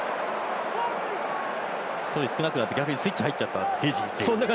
１人少なくなって逆にスイッチ入っちゃったフィジーという。